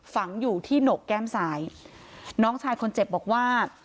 ฝังอยู่ที่หนกแก้มซ้ายน้องชายคนเจ็บบอกว่า